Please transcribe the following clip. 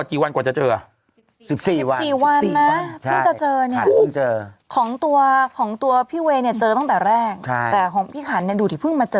พี่จะเจอเนี้ยของตัวของตัวพี่เวย์เนี้ยเจอตั้งแต่แรกใช่แต่ของพี่ขันเนี้ยดูที่เพิ่งมาเจอ